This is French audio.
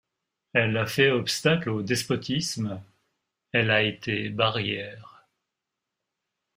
Elle a fait obstacle au despotisme ; elle a été barrière.